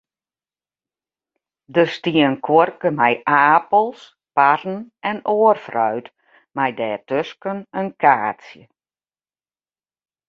Der stie in kuorke mei apels, parren en oar fruit, mei dêrtusken in kaartsje.